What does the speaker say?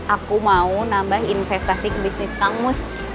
aku mau nambah investasi ke bisnis kamus